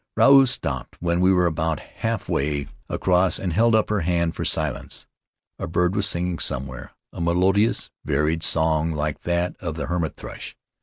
Ruau stopped when we were about halfway 4 Faery Lands of the South Seas across and held up her hand for silence. A bird was singing somewhere, a melodious varied song like that of the hermit thrush.